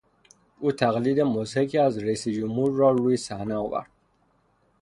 او تقلید مضحکی از رییس جمهور را روی صحنه آورد.